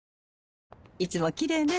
いつもきれいね。